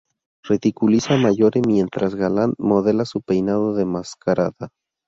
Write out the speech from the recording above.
Ridiculiza a Mallory mientras Gallant modela su peinado de mascarada.